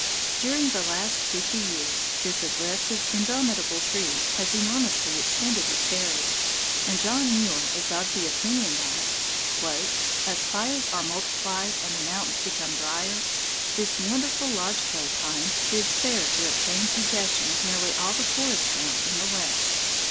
During the last fifty years this aggressive, indomitable tree has enormously extended its area, and John Muir is of the opinion that, "as fires are multiplied and the mountains become drier, this wonderful lodge pole pine bids fair to obtain possession of nearly all the forest ground in the West."